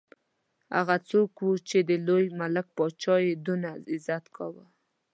هغه څوک وو چې د لوی ملک پاچا یې دونه عزت کاوه.